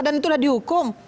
dan itu udah dihukum